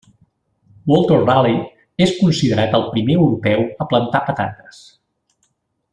Walter Raleigh és considerat el primer europeu a plantar patates.